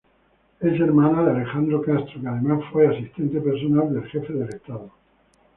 Es hermana de Alejandro Castro que, además, fue asistente personal del jefe de Estado.